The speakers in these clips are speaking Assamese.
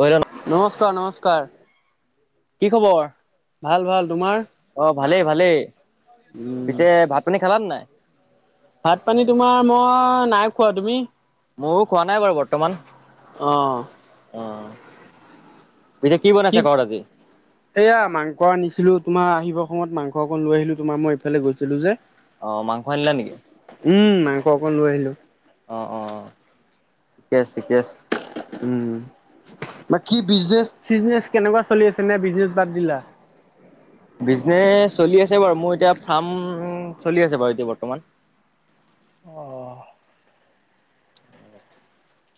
অইলা [unintelligible] নমস্কাৰ নমস্কাৰ কি খবৰ? ভাল ভাল তোমাৰ অ ভালেই ভালেই। উম পিছে ভাত পানী খালানে নাই? ভাত -পানী তোমাৰ মই নাই খোৱা তুমি ময়ো খোৱা নাই বাৰু বৰ্তমান অ অ পিছে কি বনাইছে ঘৰত আজি এয়া মাংস আনিছিলো তোমাৰ আহিবৰ সময়ত মাংস অকণ লৈ আহিলো তোমাৰ মই এইফালে গৈছিলো যে অ মাংস আনিলা নেকি উম মাংস অকণ লৈ আহিলো অঁ অঁ অ ঠিকে আছে ঠিকে আছে উম বা কি বিজনেচ চিজনেচ কেনেকুৱা চলি আছে নে বিজনেচ বাদ দিলা বিজনেচ চলি আছে বাৰু মোৰ এতিয়া ফাৰ্ম চলি আছে বাৰু এতিয়া বৰ্তমান অঁ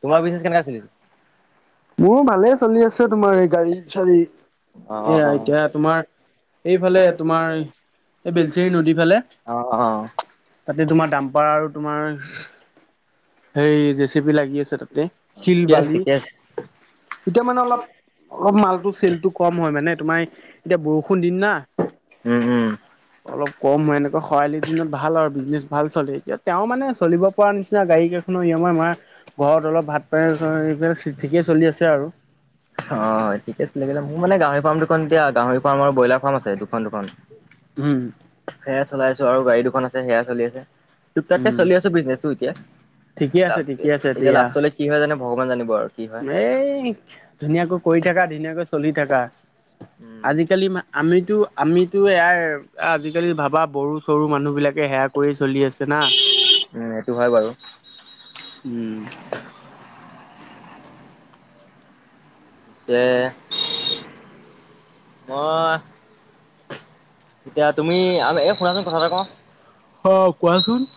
তোমাৰ বিজনে কেনেকে চলছে মোৰো ভালেই চলি আছে তোমাৰ এই গাড়ী চাৰি অ' অ' এয়া অ' এতিয়া তোমাৰ এইফালে তোমাৰ এই বেলচেৰি নদী ফালে অ অ তাতে তোমাৰ দাম্পাৰ আৰু তোমাৰ সেই জেচিপি লাগি আছে তাতে শিল ঠিকে আছে বালি ঠিকে আছে। এতিয়া মানে অলপ অলপ মালটো চেলটো কম হয় মানে তোমাৰ এতিয়া বৰষুণ দিন না উম উম অলপ কম হয় এনেকুৱা খৰালিৰ দিনত ভাল আৰু বিজনেচ ভাল চলে এতিয়াত তেওঁ মানে চলিব পৰা নিচিনা গাড়ী কেইখনৰ ইয়মাৰ মমাৰ ঘৰত অলপ ভাত পান এই ঠিকেই চলি আছে আৰু অ হয় ঠিকে আছিলে মোৰ মানে গাহৰি ফাৰ্ম দুখন এতিয়া গাহৰি ফাৰ্ম আৰু ব্ৰইলাৰ ফাৰ্ম আছে দুখন দুখন হুম সেয়া চলাইছো আৰু গাড়ী দুখন আছে সেয়া চলি আছে ত তাতে উম চলি আছো বিজনেচো এতিয়া ঠিকে আছে ঠিকে আছে এতিয়া দিয়া লাষ্ট চল কি হয় জানে ভগৱান জানিব আৰু কি হয়। এই ধুনীয়াকৈ কৰি থাকা ধুনীয়াকৈ চলি থাকা উম, আজিকালি আমিতো আমিতো ইয়াৰ আজিকালি ভাবা বৰু চৰু মানুহ বিলাক সেয়া কৰি চলি আছে না উম সেইটো হয় বাৰু উম যে মই এতিয়া তুমি আৰু এই শুনাচোন কথা এটা কওঁ অ কোৱাচোন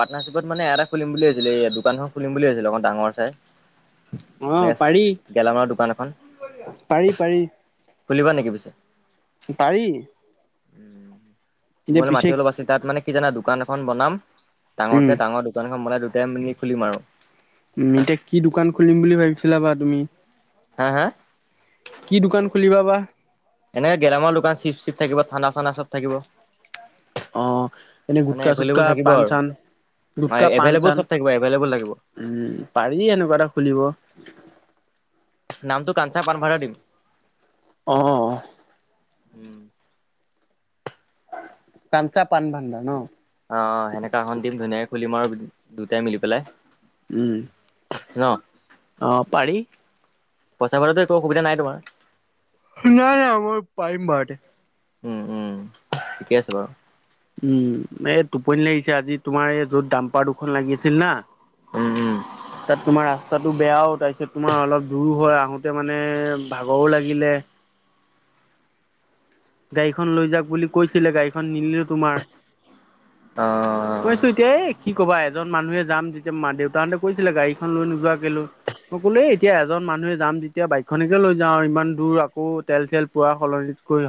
পাৰ্টনাৰশ্বিপত মানে এটা খুলিম বুলি ভিছিলো এইয়া দোকানখন খুলিম বুলি ভাবছিলো অকণ ডাঙৰ চাইজ অ নেক্স পাৰি গেলামালৰ দোকান এখন পাৰি পাৰি খুলিবা নেকি পিছে পাৰি মোৰ এতিয়া অলপ পিছে মাটি আছিল তাত মানে কি জানা দোকান এখন বনাম উম ডাঙৰকে ডাঙৰ দোকানখন বনাই দুটাই মিনিট খুলিম আৰু উম এতিয়া কি দোকান খুলিম বুলি ভাবিছিলা বা তুমি হা হা কি দোকান খুলিবা বা এনেকে গেলামৰ দোকান চিপ চিপ থাকিব খানা চানা চব থাকিব অ এনেই গুটকা চুটকা পাণ চান হয় গুটকা পাণ এভেইলেবল চান চব থাকিব এভেইলেবল লাগিব উম পাৰি এনেকুৱা এটা খুলিব নামটো কাঞ্চা পাণভাডা দিম অহ। উম। কাঞ্চা পান ভাণ্ডা ন'। অহ', অহ'। সেনেকা‌ এখন দিম ধুনীয়াকে খুলিম আৰু দুটাই মিলি পেলাই। উম', ন অহ' পাৰি। পইচা পালেটো একো অসুবিধা নাই তোমাৰ। নাই আমাৰ পাৰিম বাৰতে। উম', উম' ঠিকে আছে বাৰু। উম, এই টোপনি লাগিছে আজি তোমাৰ এই য'ত দাম্পাৰ দুখন লাগি আছিল না। উম', উম'। তাত তোমাৰ ৰাস্তাটো বেয়াও তাৰপিছত তোমাৰ অলপ দূৰো হয়, আহোতে মানে ভাগৰো লাগিলে। গাড়ীখন লৈ যাক বুলি কৈছিলে, গাড়ীখন নিনিলো তোমাৰ। অহ, কৈছোঁ এই এতিয়া কি কবা, এজন মানুহে যাম যেতিয়া মা-দেউতাহঁতে কৈছিলে গাড়ীখন লৈ নোযোৱা কেলৈ। মই কলোঁ এ এতিয়া এজন মানুহে যাম তেতিয়া বাইকখনকে লৈ যাওঁ ইমান দূৰ আকৌ তেল-চেল পোৰা সলনিত কৰি।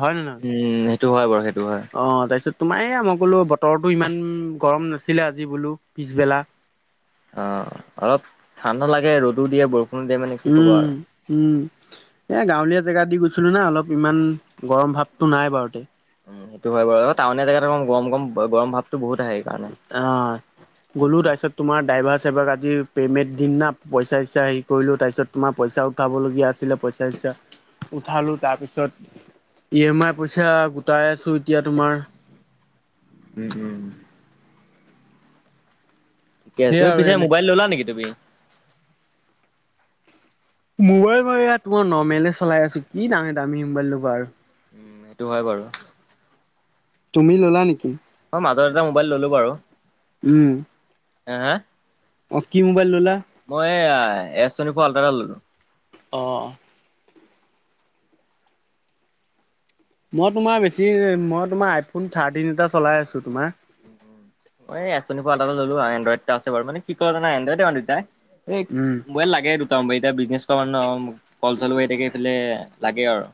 উম সেইটো হয় বাৰু সেইটো হয় অহ, তাৰপিছত তোমাৰ এয়া, মই ক'লো বতৰটো ইমান গৰম নাছিলে আজি বোলো পিছবেলা। অহ, অলপ ঠাণ্ডা লাগে, ৰ'দো দিয়ে বৰষুণ উম', উম'। এ গাঁৱলীয়া জেগা দি গৈ কৈছিলোঁ না অলপ ইমান গৰম ভাৱতো নাই বাৰু তে। উম, সেইটো হয় বাৰু। টাউনীয়া জেগাত অলপ গৰম-গৰম গৰম ভাৱতো বহুত আহে। সেইকাৰণে অহ, গ'লো তাৰপিছত তোমাৰ ড্ৰাইভাৰ-চাইভৰক আজি পে'মেণ্ট দিম না, পইচা-চইচা হেৰি কৰিলোঁ, তাৰপিছত তোমাৰ পইচাও উঠাবলগীয়া আছিলে পইচা-চইচা উঠালোঁ, তাৰপিছত ই এম আই পইচা গোটাই আছোঁ এতিয়া তোমাৰ। উম', উম'। এতিয়া সেয়া তুমি আৰু পিছে এনে মোবাইল ল'লা নেকি তুমি? মোবাইল মোৰ এয়া তোমাৰ নৰ্মেলে চলাই আছোঁ। কি দামী-দামী মোবাইল লবা আৰু। উম, সেইটো হয় বাৰু। তুমি ল'লা নেকি? মই মাজত এটা মোবাইল ললোঁ বাৰু। উম। হ! হ! অহ, কি মোবাইল ল'লা? মই এয়া এছ টোৱেনটি ফৰ আল্টা এটা ল'লো। অহ। মই তোমাৰ বেছি, মই তোমাৰ আইফোন থাৰ্টিন এটা চলাই আছোঁ তোমাৰ। মই এ এচ টোৱেনটি ফৰ আল্টা এটা ললোঁ আৰু। এনডইড এটা আছো বাৰু মানে কি কৰো জানা, এনডইডে দুটাই। এই উম, মোবাইল লাগে দুটা মোবাইল, এতিয়া বিজনেছ কৰা ন' কল-চল হৈয়ে থাকে এইফালে লাগে আৰু।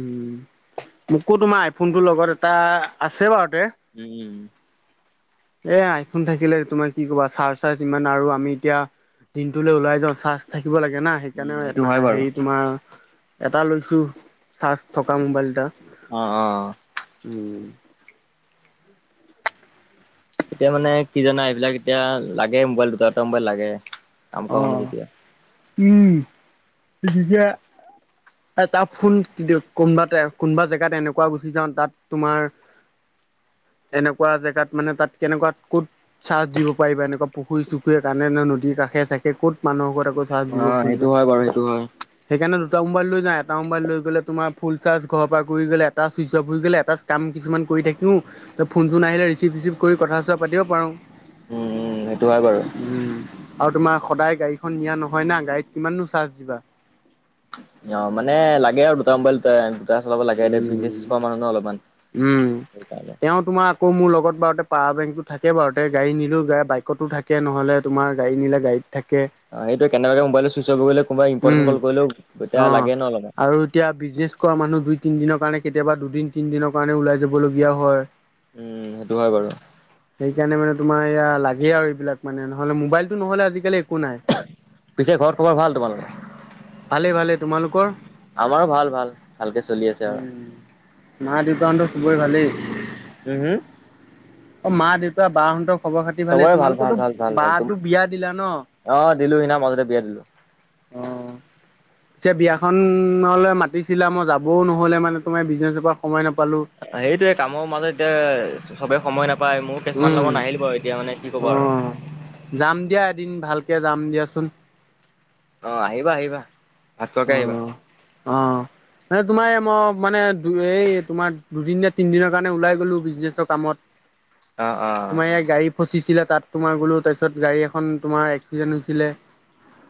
উম, মোকো তোমাৰ আইফোনটোৰ লগত এটা, আছে বাৰু তে। উম। এ আইফোন থাকিলে তোমাৰ কি কবা চাৰ্জ-টাৰ্জ ইমান আৰু আমি এতিয়া দিনটোলৈ ওলাই যাওঁ, চাৰ্জ থাকিব লাগে না। উম সেইটো সেইকাৰণে না হয় বাৰু হেৰি তোমাৰ, এটা লৈছোঁ চাৰ্জ থকা মোবাইল এটা। অহ', অহ'। উম। এতিয়া মানে কি জানা এইবিলাক এতিয়া লাগে, মোবাইল দুটা দুটা মোবাইল লাগে। কাম অ কৰা মানুহ যেতিয়া উম তিতিয়া। এটা ফোন কি দিওঁত কোনোবাতে কোনোবা জেগাত এনেকুৱা গুচি যাওঁ তাত তোমাৰ এনেকুৱা জেগাত মানে তাত কেনেকুৱাত কোত চাৰ্জ দিব পাৰিবা এনেকুৱা পুখুৰী চুখুৰীয়ে কাণেন নদীৰ কাষে চাকে ক'ত মানুহ ঘৰত আকজ চাৰ্জ দিব অ' সেইটো খুজিবা। হয় বাৰু সেইটো হয় সেইকাৰণে দুটা মোবাইল লৈ যাওঁ এটা মোবাইল লৈ গ'লে ফুল চাৰ্জ ঘৰৰ পৰা কৰি গ'লে এটা ছুইচ অফ হৈ গলে এটা কাম কিছুমান কৰি থাকিও ত ফোন চোন আহিলে ৰিচিভ ৰিচিভ কৰি কথা চোৱা পাতিব পাৰোঁ। উম উম সেইটো হয় বাৰু। উম আৰু তোমাৰ সদায় গাড়ীখন নিয়া নহয় না গাড়ীত কিমাননো চাৰ্জ দিবা। অ মানে লাগে আৰু দুটা মোবাইল দুটাই টা চলাব লাগে দে বিনজিছ কৰা মানুহ ন অলপমান উম। সেইকাৰণে। তেওঁ তোমাৰ আকৌ মোৰ লগত বাৰুতে পাৱাৰ বেংকটো থাকে বাৰুতে গাড়ী নিলোঁ বাইকতো থাকে নহ'লে তোমাৰ গাড়ী নিলে গাড়ীত থাকে। অ সেইটো কেনেবাকে মোবাইল চুইছ অফ হৈ গলেও কোনোবা ইম্পৰ্টেট উম কল কৰিলেও তেতিয়া অ'। লাগে ন অলপমান। আৰু এতিয়া বিজেছ কৰা মানুহ দুই তিনিদিনৰ কাৰণে কেতিয়াবা দুদিন তিনিদিনৰ কাৰণে ওলাই যাবলগীয়া হয়। উম, সেইটো হয় বাৰু। সেইকাৰণে মানে তোমাৰ ইয়া লাগে আৰু এইবিলাক মানে নহলে মোবাইলতটো নহলে আজিকালি একো নাই। পিছে ঘৰ খবৰত ভাল তোমালোকে? ভালেই ভালেই। তোমালোকৰ? আমাৰ ভাল ভাল। ভালকে চলি আছ- উম মা-দেউতাহতৰ চবৰে ভালেই? উম হুম। অ মা, দেউতা, বাহঁতক খবৰ খাতি ভালে চবৰে ভাল ভাল তোমালোকৰটো ভাল ভাল ভাল তুম বাটো বিয়া দিলা ন? অ', দিলো সিদিনা মাজতে বিয়া দিলো। উম। [inaudible] ছে বিয়াখনলে মাতিছিলা মই যাবও নহ'লে মানে তোমাৰ বিজনেজৰ পৰা সময় নাপালোঁ। সেইটোয়ে কামৰ মাজত এতিয়া চবে সময় নাপায়, মোৰ কিছুমান উম লগত নাহিল বাৰু এতিয়া মানে কি অ ক'বা আৰ। যাম দিয়া এদিন ভালকে যাম দিয়াচোন। অ আহিবা, আহিবা ভাত খোৱাকে আহিবা। অহ। মানে তোমাৰ এ ম মানে দু এই তোমাৰ দুদিন নে তিনিদিনৰ কাৰণে ওলাই গ'লো বিজনেছৰ কামত [inaudible] অ', তোমাৰ ইয়াত গাড়ী ফচিছিলে তাত তোমাৰ গোলো তাৰপিছত গাড়ী এখন তোমাৰ এক্সিডেণ্ট হৈছিলে।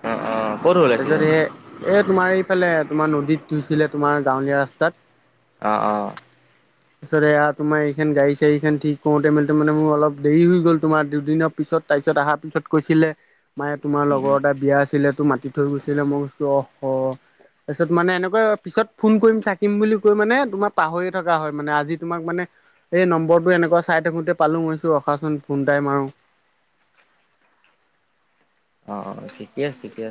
অ', অ', ক'ত হ'ল তাছত এক্সিডেণ্ট? হে- এ তোমাৰ এইফালে তোমাৰ নদীত ধুইছিলে তোমাৰ গাঁৱলীয়া ৰাস্তাত। অ অ। ছৰেয়া তোমাৰ এইখন গাড়ী চাড়ীখন ঠিক কৰোতে মেলোতে মান মোৰ অলপ দেৰি হৈ গ'ল তোমাৰ দুদিন পিছত তাৰপিছত অহাৰ পিছত কৈছিলে মায়ে তোমাৰ উম, উম, লগৰ এটা বিয়া আছিলে তো মাতি থৈ গৈছিলে মো অহ হহ। তাছত মানে এনেকা পিছত ফোন কৰিম থাকিম বুলি কৈ মানে তোমাৰ পাহৰিয়ে থকা হয় মানে আজি তোমাক মানে এই নম্বৰটো এনেকুৱা চাই থাকোতে পালোঁ মইছো ৰখাচোন ফোনটাই মাৰোঁ অ ঠিকে আছে দিয়া।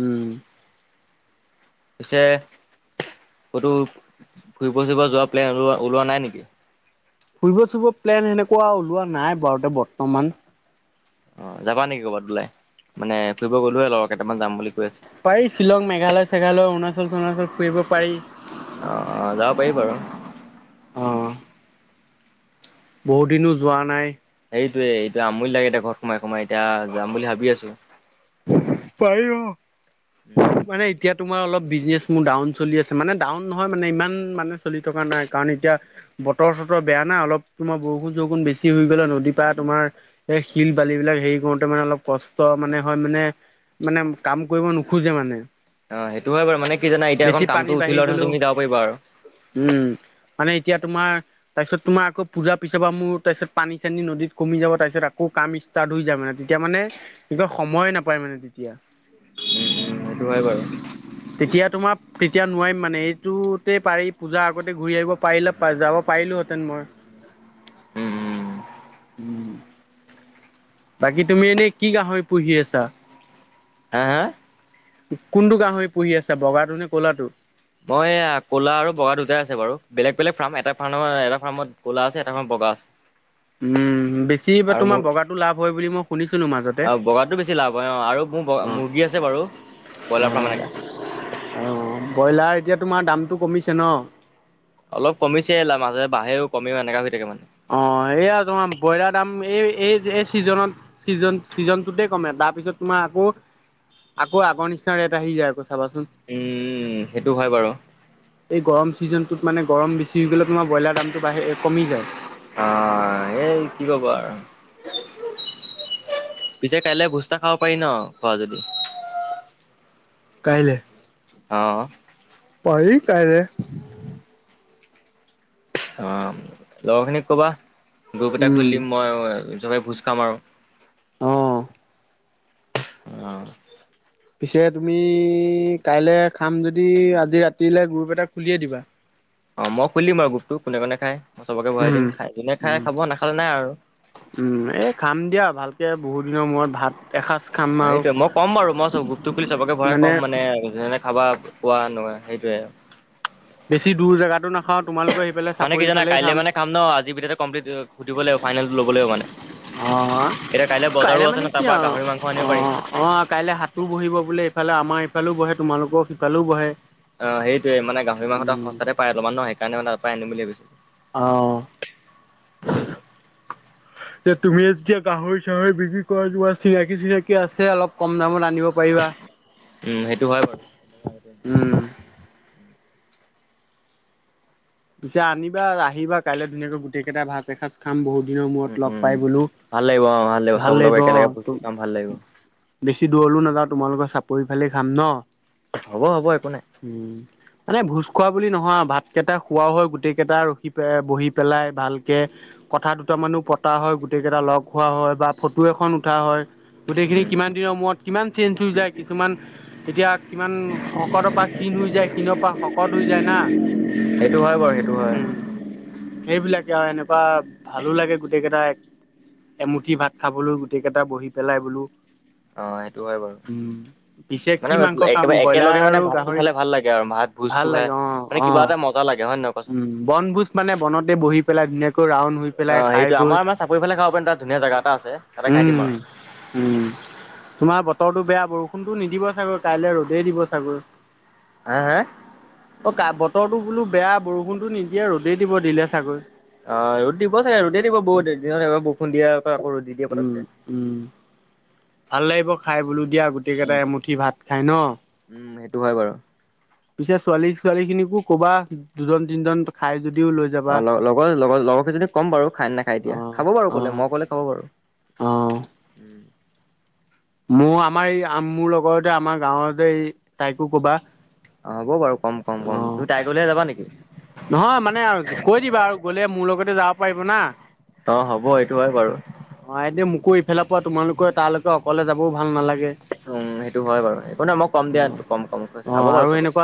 উম পিছে ক'তো ফুৰিব চুইব যোৱা প্লেন ওলোৱা ওলোৱা নাই নেকি? ফুৰিব চুৰিব প্লেন সেনেকুৱা ওলোৱা নাই বাৰুতে বৰ্তমান। অ যাবা নেকি ক'ৰবাত ওলাই মানে ফুৰিব গ'লোহে লগৰ কেইটামান যাম বুলি কৈ আছে পাৰি শ্বিলং মেঘালয় চেঘালয় অৰুণাচল চৰুণাচল ফুৰিব পাৰি। অ অ যাব পাৰি বাৰু। বহু দিনো যোৱা নাই সেইটোৱে এইটো আমূলি লাগে দে ঘৰত সোমাই সোমাই এতিয়া যাম বুলি ভাবি আছো। পাৰি অঁ উম পাৰি। এতিয়া তোমাৰ অলপ বিজনেছ মোৰ ডাউন চলি আছে মানে ডাউন নহয় মানে ইমান মানে চলি থকা নাই কাৰণ এতিয়া বতৰ চতৰ বেয়া নাই অলপ তোমাৰ বৰষুণ বৰষুণ বেছি বেছি হৈ গ'লে নদীৰ পা তোমাৰ সেই শিল বালি বিলাক হেৰি কৰোতে মানে অলপ কষ্ট মানে হয় মানে মানে কাম কৰিব নোখোজে মানে। অ সেইটো হয় বাৰু মানে কি জান এতিয়া এ বেছি পানী কামটো উঠি বাঢ়ি লোৱা গ'লেও তুমি যাব পাৰা আৰু উম মানে এতিয়া তোমাৰ তাৰ পিছত তোমাৰ আকৌ পূজা পিছপা মোৰ তাপিছত পানী চানী নদীত কমি যাব তাছত আকৌ কাম ষ্টাৰ্ট হইজাই মানে। তেতিয়া মানে একদম সময় নাপাই মানে তেতিয়া উ সেইটো হয় বাৰু তেতিয়া তোমাৰ তেতিয়া নোৱাৰিম মানে এইটোতে পাৰি পূজা আগতে ঘূৰি আহিব পাৰিলে যাব পাৰিলোহেতেন মই উম উম বাকী তুমি এনেই কি গাহৰি পুহি আছা হা হা কোনটো গাহৰি পুহি আছে বগাটো নে ক'লাটো মই ক'লা আৰু বগা দুটাই আছে বাৰু বেলেগ বেলেগ ফাৰ্ম এটা ফ্ৰাম এটা ফাৰ্মত ক'লা আছে এটা ফাৰ্মত বগা আছে। [inaudible] উম বেছি বা আৰু মোৰ তোমাৰ বগাটো লাভ হয় বুলি মই শুনিছিলো মাজতে আৰু বগাটো বেছি লাভ হয় অ আৰু মোৰ অ মুৰ্গী আছে বাৰু অ ব্ৰইলাৰ ফাৰ্ম এনেকা অ ব্ৰইলাৰ এতিয়া তোমাৰ দামটো কমিছে ন অলপ কমিছে লা মাজে বাৰে কমও এনেকা হৈ থাকে মানে অ এইয়া তোম ব্ৰইলাৰ দাম এই এই এই চিজনত চিজন ছিজনটোতে কাম তাৰপিছত তোমাৰ আকৌ আকৌ আগ নিচিনা ৰেত আহি যায় চাবাচোন উম সেইটো হয় বাৰু এই গৰম ছিজনটোত মানে গৰম বেছি গ'লে তোমাৰ ব্ৰইলাৰ দামটো বাঢ়ি কমি যায় অ এই কি কব আৰু পিছে কাইলেলৈ ভোজ তা খাব পাৰি ন খোৱা যদি কাইলৈ অ পাৰি কাইলে অ লগৰখিনিক ক'বা গ্ৰুপ এটা উম খুলিম মই চবে ভোজ খাম আৰু অ অ পিছে তুমি কাইলৈ খাম যদি আজি ৰাতিলে গ্ৰুপ এটা খুলিয়ে দিবা অ মই খুলি দিম বাৰু গ্ৰুপতটো, কোনে কোনে খাই মই চবকে ভৰাই উম দিম খাই, যোনে উম খাই খাব নাখালে নাই আৰু। উম এ খাম দিয়া ভালকে বহুত দিনৰ মূৰত ভাত এসাঁজ। খাম আৰু সেইটোয়ে, মই ক'ম বাৰু মই চব গ্ৰুপটো খুলি চবকে ভৰাই ক'ম মানে যেনে, খাবা পোৱা নোৱা সেইটোৱে। বেছি দূৰ জেগাতো ন মানে কি জানা কাইলে মানে খাম ন, আজিৰ ভিতৰতে কমপ্লিট দিব লাগিব ফাইনেলটো ল'ব লাগিব মানে। অঁ অঁ, এতিয়া কাইলৈ বজাৰো কাইলে আছে মানে ন কি তাৰপৰা আও, গাহৰি মাংস অ আনিব পাৰিম অ কাইলে সাত তোৰ বহিব বোলে ইফালে আমাৰ ইফালেও বহে, তোমালোকৰ সিফালেও বহে। অ সেইটোয়ে মানে গাহৰি মাংস ত উম, সস্তাতে পাই ত সেইকাৰণে মানে তাৰ পৰা আনিম বুলি ভাবিছো। অহ। যে তুমি যেতিয়া গাহৰি চাহৰি বিক্ৰী কৰা তোমাৰ চিনাকি চিনাকি আছে অলপ কম দামত আ- নিব পাৰিবা। উম সেইটো হয় বাৰু উম। পিছে আনিবা আহিবা কাইলৈ ধুনীয়াকৈ গোটেই কেইটা ভাত এসাঁজ খাম বহুত দিনৰ উম মূৰত লগ উম পাই বোলো। ভাল লাগিব অ ভাল লাগিব চব লগৰ একেলগে ভুজ খাম ভাল লাগিব। বেছি দূৰলৈ নাযাওঁ তোমালোকৰ চাপৰিফালে খাম ন? হ'ব হ'ব একো নাই। উম। মানে ভোজ খোৱা বুলি নহয় ভাত কেইটা খুৱাও হয় গোটেইকেইটা ৰখি পেলাই বহি পেলাই ভালকে। কথা দুটা মানো পতা হয় গোটেই কেইটা লগ হোৱা হয়, বা ফটো এখন উঠা হয়। গোটেইখিনি উম কিমান দিনৰ মূৰত কিমান চেঞ্জ হৈ যায় কিছুমান, তেতিয়া কিমান শকতৰ পৰা ক্ষীণ হৈ যায়, ক্ষীণৰ পৰা শকত হৈ যায় না। সেইটো হয় বাৰু সেইটো। হয় উম। সেইবিলাকে আৰু এনেকুৱা ভালো লাগে গোটেই কেইটা, এমুঠি ভাত খাবলৈ গোটেই কেইটা বহি পেলাই বোলো। অ সেইটো হয় বাৰু। উম পিছে কি মানে মাংস খাম একেৱাৰে ব্ৰইলাৰ একেলগে মানে আৰু ভাতটো গাহৰি খালে ভাল লাগে আৰু, ভাত ভোজটো ভাল খাই লাগে অ মানে কিবা অ এটা মন লাগে হয় নহয়? কোৱাচোন উম। বনভোজ মানে বনতে বহি পেলাই ধুনাকৈ ৰাউন হৈ, অ পেলাই খাই সেইটো বৈ আমাৰ চাপৰিফালে খাব তাত ধুনীয়া জেগা এটা আছে তাতে খাই দিম উম আৰু। উম। তোমাৰ বতৰটো বেয়া বৰষুণটো নিদিব চাগৈ। কাইলে ৰ'দেই দিব চাগৈ। হা হা অ কা বতৰটো বোলো বেয়া। বৰষুণটো নিদিয়ে ৰ'দেই দিব দিলে চাগৈ। অ ৰ'দ দিব চাগে ৰদেই দিব বহুত দিনত বৰষুণ দিয়ে আকৌ ৰ'দ দিয়ে। উম পতককে উম। ভাল লাগিব খাই বোলো দিয়া গোট গোটেইকেইটাই উম এমুঠি ভাত খাই ন? উম সেইটো হয় বাৰু। পিছে ছোৱালী ছোৱালী খিনিকো ক'বা, দুজন তিনজন খাই যদিও লৈ যা অ লগ লগৰ লগ লগৰকেইজনীক কম বাৰু খাই নে নাখায় অ এতিয়া, খাব বাৰু অ কলে মই কলে খাব বাৰু। অ উম। মোৰ আমাৰ এই মোৰ লগৰতে আমাৰ গাঁৱতে এই তাইকো ক'বা। অ হ'ব বাৰু কম কম কম। অ তুমি তাই গলেহে যাবা নেকি? নহয় মানে কৈ দিবা আৰু গ'লে মোৰ লগতে যাব পাৰিব না। অ হ'ব এইটো হয় বাৰু। অ এ দে মোকো ইফালৰ পৰা তোমালোক তালৈকে অকলে যাবওঁ ভাল নালাগে। উম সেইটো হয় বাৰু একো নহয় মই কম দিয়া কম কম খাব অ' বাৰু আৰু চবে এনেকুৱা